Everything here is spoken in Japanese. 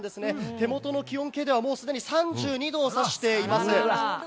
手元の気温計ではもう既に３２度を指しています。